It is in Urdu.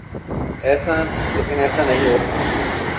لیکن ایسا نہیں ہوا۔